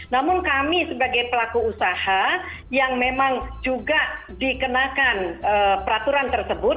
namun kami sebagai pelaku usaha yang memang juga dikenakan peraturan tersebut